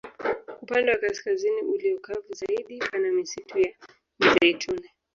Upande wa kaskazini ulio kavu zaidi pana misitu ya mizeituni